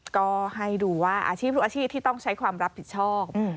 ก็ให้ดูว่าอาชีพทุกอาชีพที่ต้องใช้ความรับผิดชอบ